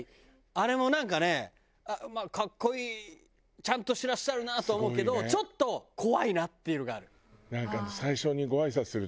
あれもなんかね格好いいちゃんとしてらっしゃるなとは思うけどちょっと怖いなっていうのがある。